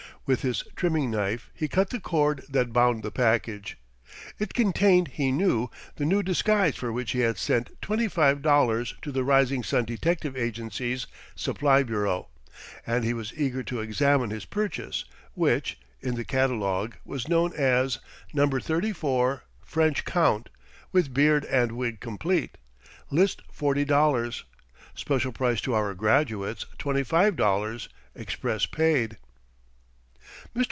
With his trimming knife he cut the cord that bound the package. It contained, he knew, the new disguise for which he had sent twenty five dollars to the Rising Sun Detective Agency's Supply Bureau, and he was eager to examine his purchase, which, in the catalogue, was known as "No. 34. French Count, with beard and wig complete. List, $40.00. Special price to our graduates, $25.00, express paid." Mr.